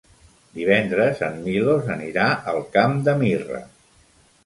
Divendres en Milos anirà al Camp de Mirra.